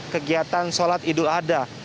kegiatan sholat idul ada